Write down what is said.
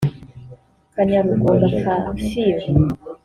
Kanyarugunga Fafil